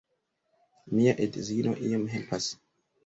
Mia edzino iom helpas.